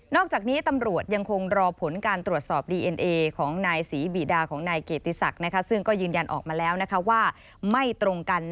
อกจากนี้ตำรวจยังคงรอผลการตรวจสอบดีเอ็นเอของนายศรีบีดาของนายเกียรติศักดิ์ซึ่งก็ยืนยันออกมาแล้วนะคะว่าไม่ตรงกัน